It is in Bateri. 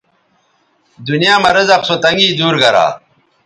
دنیاں مہ رزق سو تنگی دور گرا